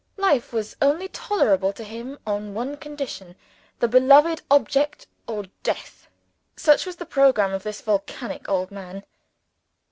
Life was only tolerable to him on one condition. The beloved object, or death such was the programme of this volcanic old man.